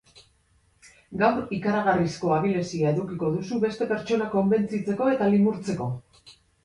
Gaur ikaragarrizko abilezia edukiko duzu beste pertsonak konbentzitzeko eta limurtzeko.